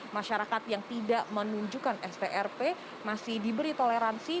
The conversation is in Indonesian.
masyarakat yang tidak menunjukkan strp masih diberi toleransi